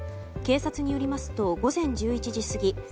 警察によりますと午前１１時過ぎ